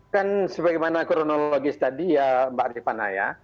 kan sebagaimana kronologis tadi ya mbak rifanaya